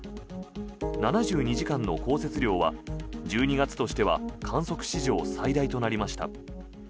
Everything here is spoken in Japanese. ７２時間の降雪量は１２月としては観測史上最大となりました。